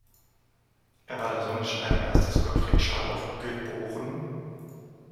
Er war der Sohn des Schneidermeisters Gottfried Schadow, geb.